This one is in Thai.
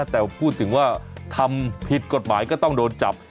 แต่พูดถึงว่าทำผิดกฎหมายก็ต้องโดนจับ